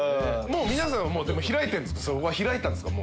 もう皆さん開いてるんですか？